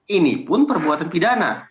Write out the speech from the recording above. ini pun perbuatan pidana